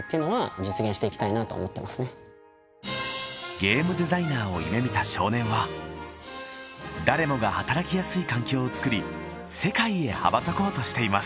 ゲームデザイナーを夢見た少年は誰もが働きやすい環境を作り世界へ羽ばたこうとしています